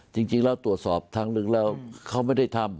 จริงแล้วตรวจสอบครั้งหนึ่งแล้วเขาไม่ได้ทำ